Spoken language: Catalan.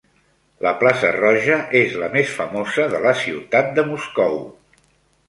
La Plaça Roja és la més famosa de la ciutat de Moscou.